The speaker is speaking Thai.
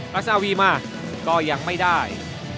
ราชนาวีมาก็ยังไม่ได้